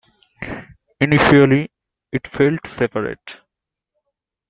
Initially, it failed to separate.